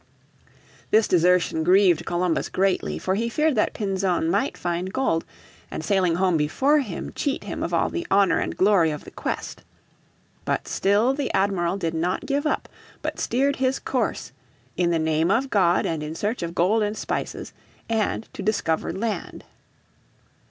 This desertion grieved Columbus greatly, for he feared that Pinzon might find gold, and sailing home before him cheat him of all the honour and glory of the quest. But still the Admiral did not give up, but steered his course "in the name of God and in search of gold and spices, and to discover land."